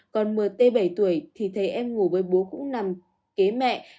còn mở tê bảy tuổi thì thấy em ngủ với bố cũng nằm kế mẹ